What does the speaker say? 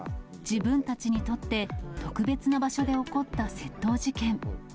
自分たちにとって、特別な場所で起こった窃盗事件。